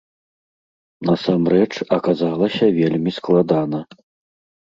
Насамрэч, аказалася вельмі складана.